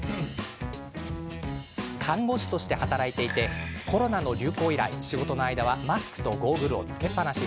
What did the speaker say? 看護師として働いていてコロナの流行以来、仕事の間はマスクとゴーグルを着けっぱなし。